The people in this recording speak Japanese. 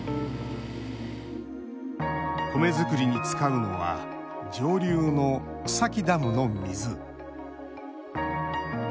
米作りに使うのは上流の草木ダムの水。